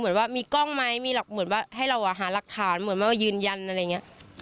เหมือนว่ามีกล้องไหมมีหลักเหมือนว่าให้เราหาหลักฐานเหมือนมายืนยันอะไรอย่างนี้